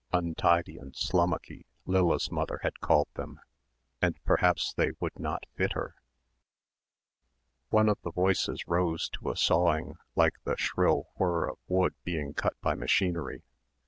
untidy and slommucky Lilla's mother had called them ... and perhaps they would not fit her.... One of the voices rose to a sawing like the shrill whir of wood being cut by machinery....